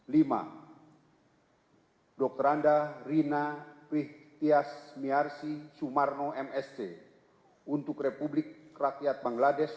lima dokter anda rina prihtias myarsi sumarno mst untuk republik rakyat bangladesh